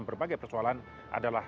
yang liedal adalah